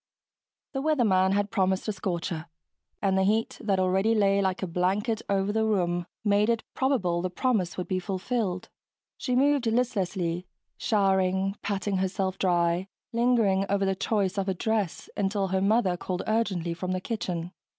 The weatherman had promised a scorcher, and the heat that already lay like a blanket over the room made it seem probable the promise would be fulfilled. She moved listlessly, showering patting herself dry, lingering over the choice of a dress until her mother called urgently from the kitchen.